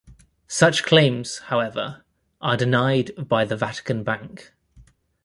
Such claims, however, are denied by the Vatican Bank.